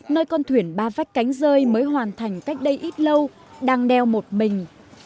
nơi con thuyền ba vách cánh rơi mới hoàn thành cách đây ít lâu đang đeo một mình